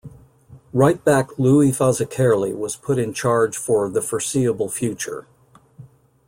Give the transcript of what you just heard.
Right back Loui Fazakerley was put in charge for "the foreseeable future".